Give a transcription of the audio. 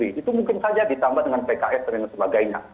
itu mungkin saja ditambah dengan pks dan sebagainya